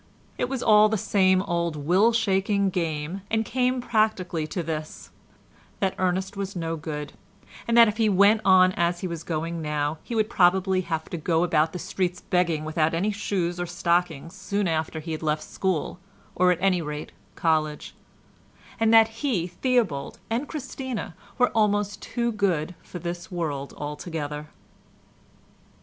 It was all the same old will shaking game and came practically to this, that Ernest was no good, and that if he went on as he was going on now, he would probably have to go about the streets begging without any shoes or stockings soon after he had left school, or at any rate, college; and that he, Theobald, and Christina were almost too good for this world altogether.